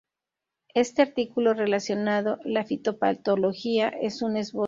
Este artículo relacionado la fitopatología es un esbozo.